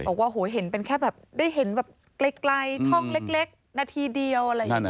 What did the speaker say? บอกว่าโหเห็นเป็นแค่แบบได้เห็นแบบไกลช่องเล็กนาทีเดียวอะไรอย่างนี้นะ